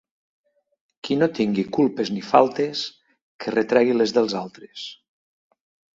Qui no tingui culpes ni faltes, que retregui les dels altres.